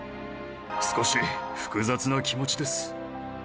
少し複雑な気持ちです。